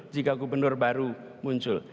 jika gubernur baru muncul